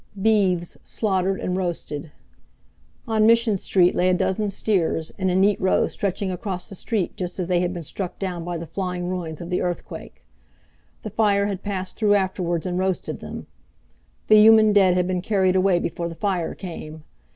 Beeves Slaughtered and Roasted On Mission Street lay a dozen steers, in a neat row stretching across the street just as they had been struck down by the flying ruins of the earthquake. The fire had passed through afterward and roasted them. The human dead had been carried away before the fire came.